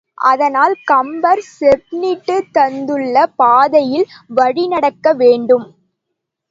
அதனால் கம்பர் செப்பனிட்டுத் தந்துள்ள பாதையில் வழிநடக்க வேண்டும்.